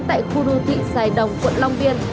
tại khu đô thị sài đồng quận long biên